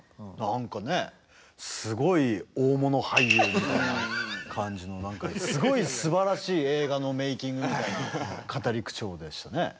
何かねすごい大物俳優みたいな感じのすごいすばらしい映画のメイキングみたいな語り口調でしたね。